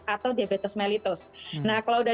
atau diabetes mellitos nah kalau udah